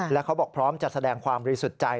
แล้วเขาบอกพร้อมจะแสดงความบริสุทธิ์ใจ